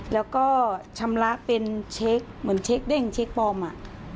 แล้วก็ชำระเป็นเช็คเหมือนเช็คเด้งเช็คปลอมอ่ะ